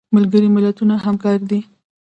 ملګري ملتونه همکار دي